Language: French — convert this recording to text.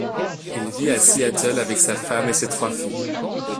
Il vit à Seattle avec sa femme et ses trois filles.